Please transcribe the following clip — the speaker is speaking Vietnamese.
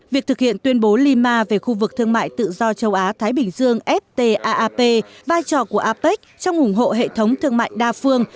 việc thực hiện tuyên bố lima về khu vực thương mại tự do châu á thái bình dương ftap vai trò của apec trong ủng hộ hệ thống thương mại đa phương